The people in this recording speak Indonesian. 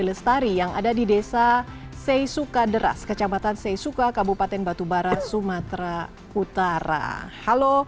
lestari yang ada di desa seysuka deras kecamatan seysuka kabupaten batubara sumatera utara halo